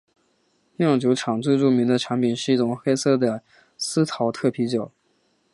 酿酒厂最著名的产品是一种黑色的司陶特啤酒。